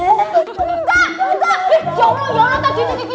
ya allah tadi itu cuma kebab belasan tuang kok